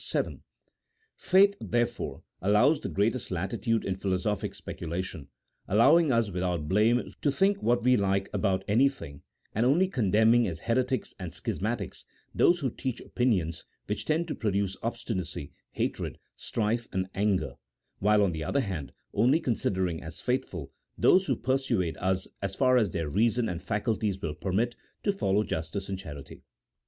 Vii. Faith, there fore, allows the greatest latitude in philosophic speculation, allowing us without blame to think what we like about anything, and only condemning, as heretics and schismatics, those who teach opinions which tend to produce obstinacy, hatred, strife, and anger; while, on the other hand, only considering as faithful those who persuade us, as far as their reason and faculties will permit, to follow justice and charity.